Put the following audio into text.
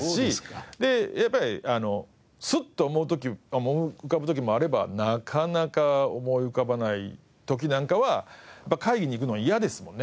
でやっぱりスッと思い浮かぶ時もあればなかなか思い浮かばない時なんかは会議に行くのは嫌ですもんね。